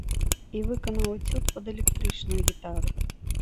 І выканаў эцюд пад электрычную гітару.